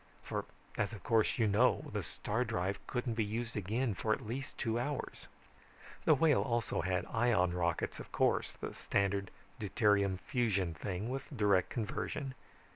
For, as of course you know, the star drive couldn't be used again for at least two hours. "The Whale also had ion rockets of course, the standard deuterium fusion thing with direct conversion.